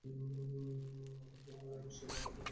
তারপর ভ্যালডিমারের সাথে আমাকে আবার কথা বলতে বললেন।